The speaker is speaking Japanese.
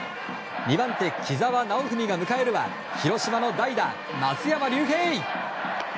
２番手、木澤尚文が迎えるは広島の代打、松山竜平。